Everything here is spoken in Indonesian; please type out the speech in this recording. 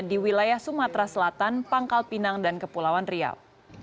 di wilayah sumatera selatan pangkal pinang dan kepulauan riau